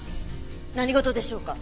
何事でしょうか？